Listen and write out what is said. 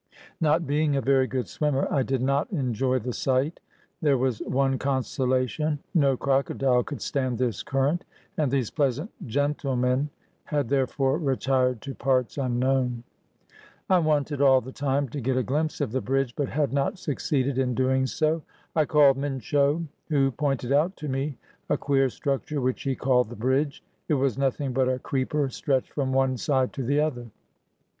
Not being a very good swimmer, I did not enjoy the sight. There was one consolation, no crocodile could stand this current, and these pleasant "gentlemen" had therefore retired to parts unknown. I wanted all the time to get a glimpse of the bridge, but had not succeeded in doing so. I called Minsho, who pointed out to me a queer structure which he called the bridge. It was nothing but a creeper stretched from one side to the other.